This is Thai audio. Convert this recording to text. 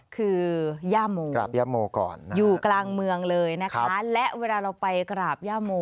คือย่าโมอยู่กลางเมืองเลยนะคะแล้วเวลาเราไปกราบย่าโม